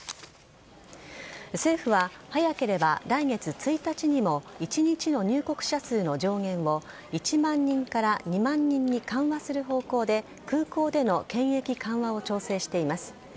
政府は早ければ来月１日にも１日の入国者数の上限を１万人から２万人に緩和する方向で空港での検疫緩和を調整しています。